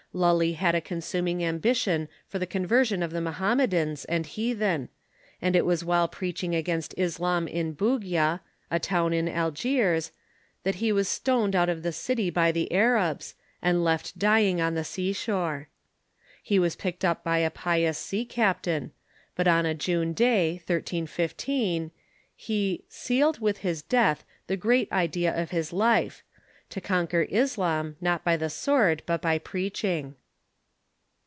Lully had a consuming ambition for the conversion of the Mohammedans and heathen, and it was while preaching against Islam in Bugia, a town in Algiers, that he was stoned out of the city by the Arabs, and left dying on the sea shore. He was picked up by a pious sea captain, but on a June day, 1315, he "scaled with his death the great idea of his life — to conquer Islam, not by the sword, but by preaching."